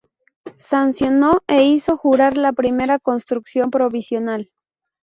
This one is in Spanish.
Sancionó e hizo jurar la primera constitución provincial.